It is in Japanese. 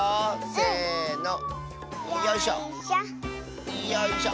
せの！